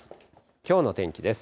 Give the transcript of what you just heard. きょうの天気です。